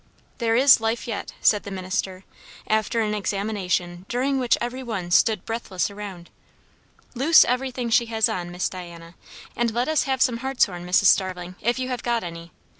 "There is life yet," said the minister, after an examination during which every one stood breathless around. "Loose everything she has on, Miss Diana; and let us have some hartshorn, Mrs. Starling, if you have got any.